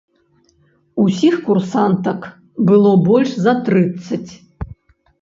Усіх курсантак было больш за трыццаць.